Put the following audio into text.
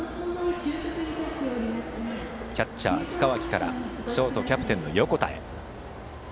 キャッチャー、塚脇からショート、キャプテンの横田へ。